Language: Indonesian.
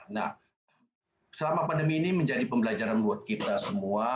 nah selama pandemi ini menjadi pembelajaran buat kita semua